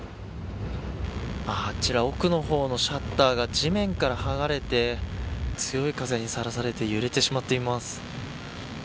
あちら奥の方のシャッターが地面から剥がれて強い風にさらされて揺れてしまっています。